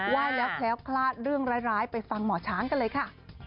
ว่ายแล้วแคล้วคลาดเรื่องร้ายไปฟังหมอช้างกันเลยค่ะ